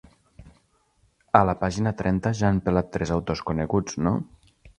A la pàgina trenta ja han pelat tres autors coneguts, no?